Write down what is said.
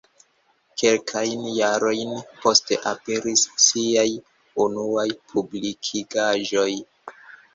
Kelkajn jarojn poste aperis ŝiaj unuaj publikigaĵoj.